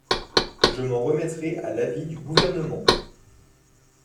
Je m’en remettrai à l’avis du Gouvernement.